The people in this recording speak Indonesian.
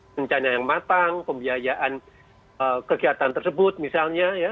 rencana yang matang pembiayaan kegiatan tersebut misalnya ya